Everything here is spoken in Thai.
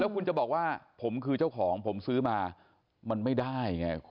คุณจะบอกว่าผมคือเจ้าของผมซื้อมามันไม่ได้ไง